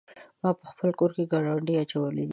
ما په خپل کور کې ګاونډی اچولی دی.